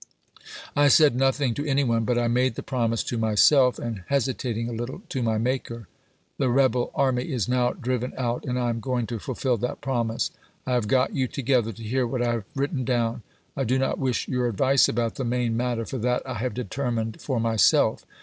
I said nothing to any one, but I made the promise to myself and (hesitat ing a little) to my Maker. The rebel army is now driven out, and I am going to fulfill that promise. I have got you together to hear what I have written down. I do not wish your advice about the main matter, for that I have determined for myself.